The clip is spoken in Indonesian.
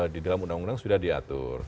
di dalam undang undang sudah diatur